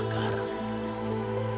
karena mereka takut akan terbakar